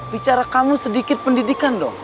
bicara kamu sedikit pendidikan dong